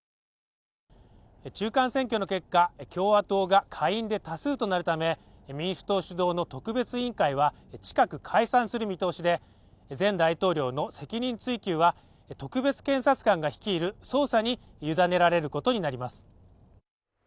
中間選挙の結果共和党が下院で多数となるため民主党主導の特別委員会は近く解散する見通しで前大統領への責任追及は特別検察官が率いる捜査に委ねられることになります